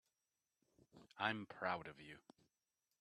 I'm proud of you.